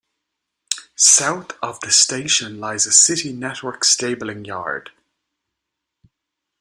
South of the station lies a City network stabling yard.